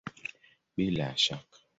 Bila ya shaka!